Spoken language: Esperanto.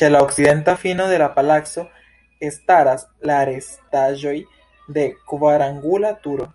Ĉe la okcidenta fino de la palaco staras la restaĵoj de kvarangula turo.